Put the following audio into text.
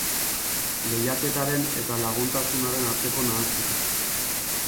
Lehiaketaren eta laguntasunaren arteko nahasketa.